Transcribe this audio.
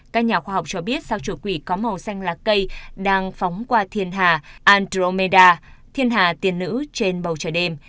các nhà khoa học cho biết sao chủ quỷ có màu xanh lá cây đang phóng qua thiên hà andromeda thiên hà tiền nữ trên bầu trời đêm